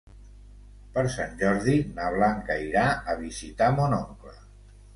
Per Sant Jordi na Blanca irà a visitar mon oncle.